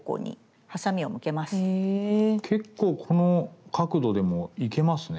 結構この角度でもいけますね。